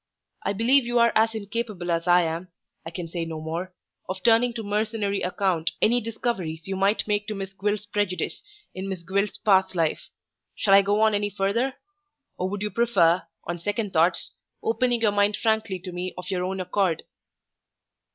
I believe you are as incapable as I am I can say no more of turning to mercenary account any discoveries you might make to Miss Gwilt's prejudice in Miss Gwilt's past life. Shall I go on any further? or would you prefer, on second thoughts, opening your mind frankly to me of your own accord?"